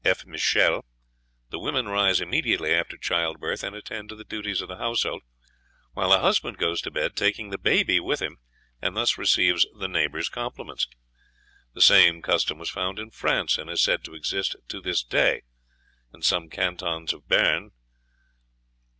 F. Michel, "the women rise immediately after childbirth and attend to the duties of the household, while the husband goes to bed, taking the baby with him, and thus receives the neighbors' compliments." The same custom was found in France, and is said to exist to this day in some cantons of Béarn.